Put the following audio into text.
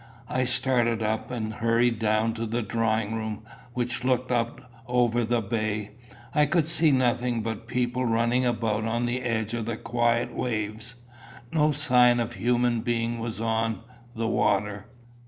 I started up, and hurried down to the drawing room, which looked out over the bay. I could see nothing but people running about on the edge of the quiet waves. No sign of human being was on the water.